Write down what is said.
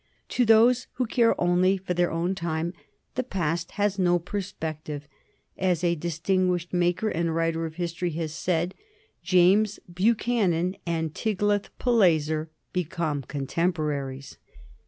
To those who care only for their own time the past has no perspective; as a distinguished maker and writer of history has said, James Buchanan and Tiglath Pileser become contemporaries.